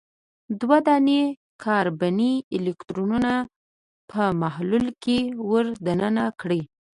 دوه دانې کاربني الکترودونه په محلول کې ور د ننه کړئ.